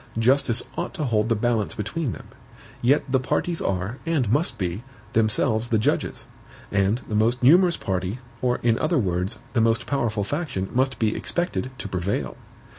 Justice ought to hold the balance between them. Yet the parties are, and must be, themselves the judges; and the most numerous party, or, in other words, the most powerful faction must be expected to prevail.